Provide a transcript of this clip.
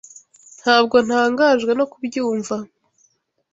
Ntabwo ntangajwe no kubyumva.